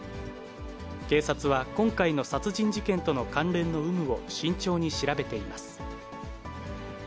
警察は今回の殺人事件との関連の有無を慎重に調べています。